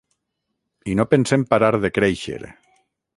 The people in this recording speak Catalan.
I no pensem parar de créixer.